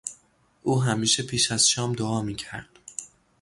او همیشه پیش از شام دعا میکرد.